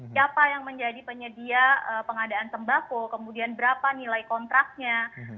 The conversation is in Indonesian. siapa yang menjadi penyedia pengadaan sembako kemudian berapa nilai kontraknya